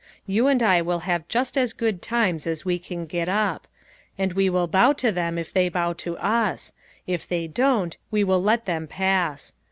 You and I will have just as good times as we can get up. And we will bow to them if they bow to us ; if they don't we will let them pass.